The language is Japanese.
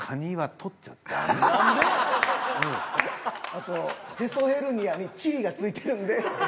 あとへそヘルニアにチリが付いてるんで。